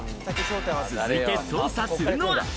続いて捜査するのは。